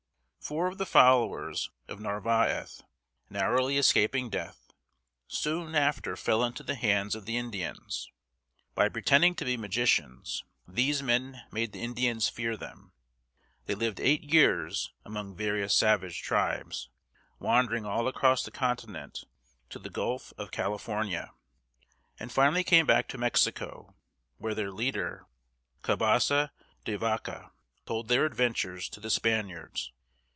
Four of the followers of Narvaez, narrowly escaping death, soon after fell into the hands of the Indians. By pretending to be magicians, these men made the Indians fear them. They lived eight years among various savage tribes, wandering all across the continent to the Gulf of Cal i for´ni a, and finally came back to Mexico, where their leader, Cabeza de Vaca (cah bā´sah dā vah´cah), told their adventures to the Spaniards.